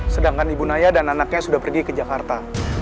sedangkan ibu naya dan anaknya sudah pergi ke jakarta